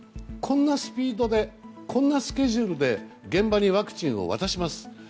こんなスピードでこんなスケジュールで現場にワクチンを渡します。